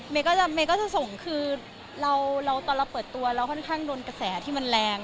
เมย์ก็จะส่งคือเราตอนเราเปิดตัวเราค่อนข้างโดนกระแสที่มันแรง